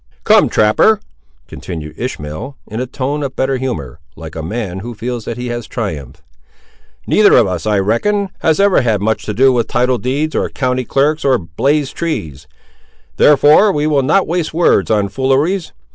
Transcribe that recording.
"Come, trapper," continued Ishmael, in a tone of better humour, like a man who feels that he has triumphed, "neither of us, I reckon, has ever had much to do with title deeds, or county clerks, or blazed trees; therefore we will not waste words on fooleries.